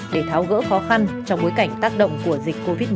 để tháo gỡ khó khăn trong bối cảnh tác động của dịch covid một mươi chín